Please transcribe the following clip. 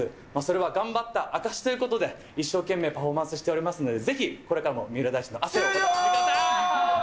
それは頑張った証しということで、一生懸命パフォーマンスしておりますので、ぜひこれからも三浦大終了！